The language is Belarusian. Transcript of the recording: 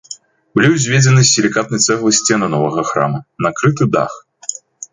Былі ўзведзены з сілікатнай цэглы сцены новага храма, накрыты дах.